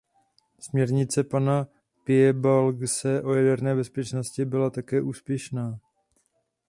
Směrnice pana Piebalgse o jaderné bezpečnosti byla také úspěšná.